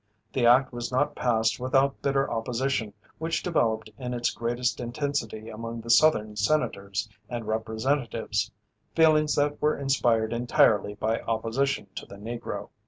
The act was not passed without bitter opposition which developed in its greatest intensity among the Southern senators and representatives; feelings that were inspired entirely by opposition to the Negro.